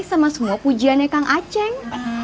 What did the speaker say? sama semua pujiannya kang aceh